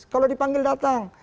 kalau dipanggil datang